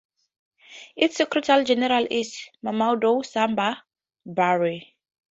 Its secretary general is Mamadou Samba Barry.